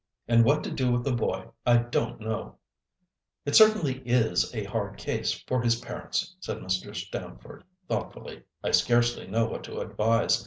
And what to do with the boy I don't know." "It certainly is a hard case for his parents," said Mr. Stamford, thoughtfully. "I scarcely know what to advise.